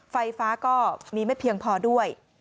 ไฟฟ้าก็มีไม่เพียงพอด้วย